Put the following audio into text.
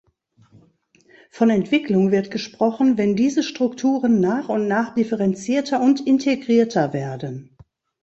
Von Entwicklung wird gesprochen, wenn diese Strukturen nach und nach differenzierter und integrierter werden.